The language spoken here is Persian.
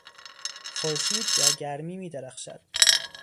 خورشید با گرمی میدرخشد.